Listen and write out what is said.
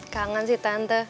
kangen sih tante